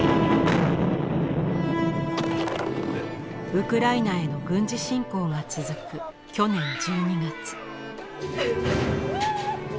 ウクライナへの軍事侵攻が続く去年１２月。